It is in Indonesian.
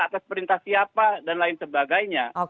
atas perintah siapa dan lain sebagainya